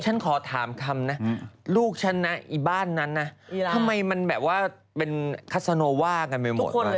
ฉันขอถามคำนะลูกฉันนะอีบ้านนั้นนะทำไมมันแบบว่าเป็นคัสโนว่ากันไปหมดเลย